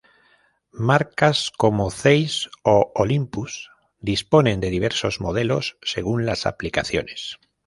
Marcas como Zeiss o Olympus disponen de diversos modelos según las aplicaciones.